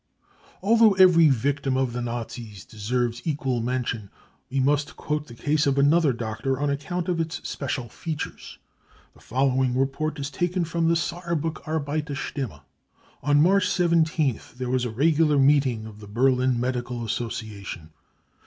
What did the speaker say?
Although every victim of the Nazis deserves equal mention, we must quote the case of another doctor on account of its special features. The following report is taken from the Saarbriick Arbeiter Stimme : 44 On March 17th there was a regular meeting of the Berlin Medical Association.